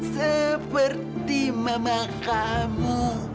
seperti mama kamu